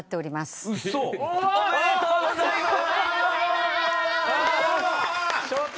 ２０周年おめでとうございます。